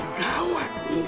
ini teh gawat mie